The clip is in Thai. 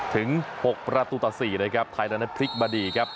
ถึง๖ประตูต่อ๔นะครับไทยนั้นพลิกมาดีครับ